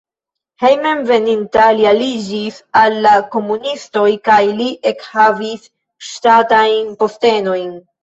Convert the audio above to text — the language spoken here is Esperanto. Hejmenveninta li aliĝis al la komunistoj kaj li ekhavis ŝtatajn postenojn.